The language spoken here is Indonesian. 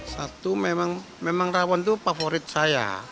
satu memang rawon itu favorit saya